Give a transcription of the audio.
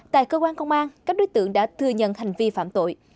tại cơ quan công an các đối tượng đã thừa nhận hành vi phạm tội